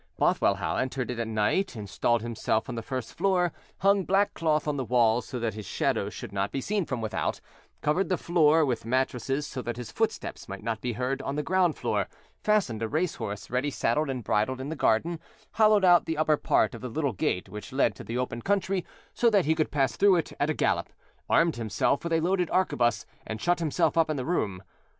Bothwellhaugh entered it at night, installed himself on the first floor, hung black cloth on the walls so that his shadow should not be seen from without, covered the floor with mattresses so that his footsteps might not be heard on the ground floor, fastened a racehorse ready saddled and bridled in the garden, hollowed out the upper part of the little gate which led to the open country so that he could pass through it at a gallop, armed himself with a loaded arquebuse, and shut himself up in the room.